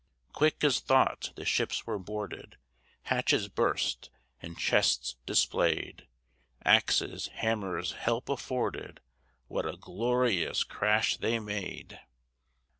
Quick as thought the ships were boarded, Hatches burst and chests displayed; Axes, hammers help afforded; What a glorious crash they made.